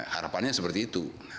harapannya seperti itu